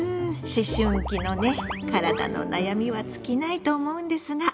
思春期のね体の悩みは尽きないと思うんですが。